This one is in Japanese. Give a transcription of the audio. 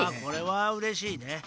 これはうれしいね。